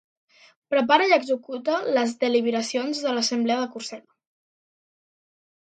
Prepara i executa les deliberacions de l'Assemblea de Còrsega.